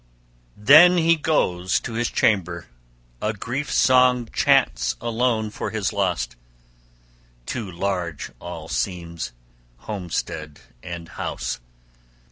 XXXIII "THEN he goes to his chamber, a grief song chants alone for his lost. Too large all seems, homestead and house.